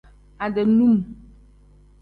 Ade num.